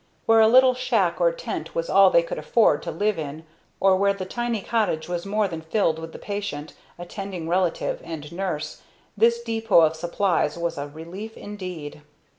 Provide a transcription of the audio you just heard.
Where a little shack or tent was all they could afford to live in, or where the tiny cottage was more than filled with the patient, attending relative, and nurse, this depot of supplies was a relief indeed.